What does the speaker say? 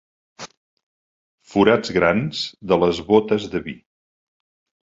Forats grans de les bótes de vi.